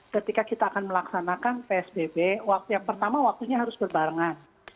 ketika kita akan melaksanakan psbb yang pertama waktunya harus berbarengan